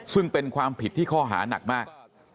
ซึ่งเป็นความผิดที่ข้อหานักมาก